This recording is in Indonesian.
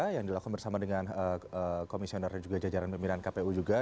yang dilakukan bersama dengan komisioner jajaran pemilihan kpu juga